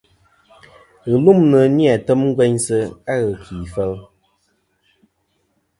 Ghɨlûmnɨ ni-a tem gveynsɨ a ghɨkì fel.